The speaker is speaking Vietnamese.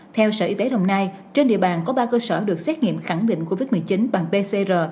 theo sở y tế đồng nai trên địa bàn có ba cơ sở được xét nghiệm khẳng định covid một mươi chín bằng pcr